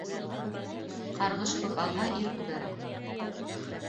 Ҡарғыш күп алһа, ир күгәрә.